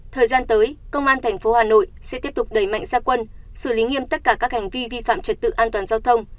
thời gian tới công an tp hà nội sẽ tiếp tục đẩy mạnh gia quân xử lý nghiêm tất cả các hành vi vi phạm trật tự an toàn giao thông